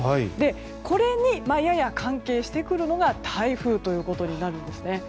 これにやや関係してくるのが台風ということになるんですね。